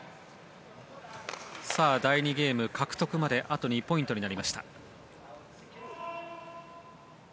第２ゲーム獲得まであと２ポイントになりました。